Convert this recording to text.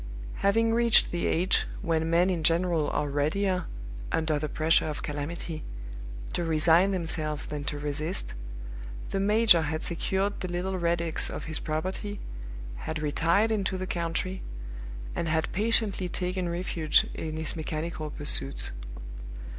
Having reached the age when men in general are readier, under the pressure of calamity, to resign themselves than to resist, the major had secured the little relics of his property, had retired into the country, and had patiently taken refuge in his mechanical pursuits.